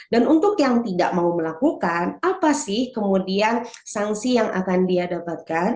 dan untuk yang tidak mau melakukan apa sih kemudian sanksi yang akan dia dapatkan